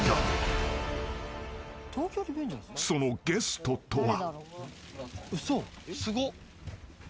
［そのゲストとは］